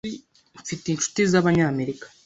Mfite inshuti z'Abanyamerika.